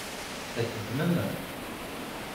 Ad t-teddmem?